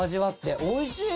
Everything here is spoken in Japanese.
おいしい！